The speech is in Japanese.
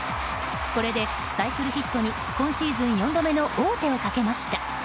これでサイクルヒットに今シーズン４度目の王手をかけました。